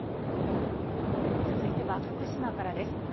続いては福島からです。